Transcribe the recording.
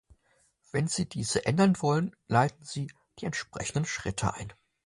Wenn Sie diese ändern wollen, leiten Sie die entsprechende Schritte ein.